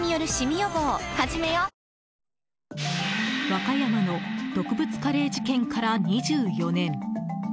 和歌山の毒物カレー事件から２４年。